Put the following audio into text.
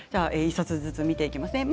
１つずつ見ていきます。